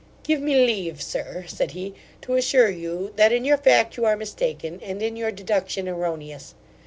'Give me leave, sir (said he), to assure you, that in your fact you are mistaken, and in your deduction erroneous.